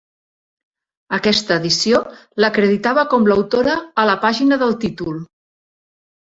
Aquesta edició l'acreditava com l'autora a la pàgina del títol.